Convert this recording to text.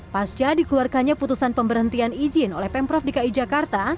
pasca dikeluarkannya putusan pemberhentian izin oleh pemprov dki jakarta